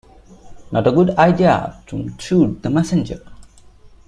Not a good idea to shoot the messenger.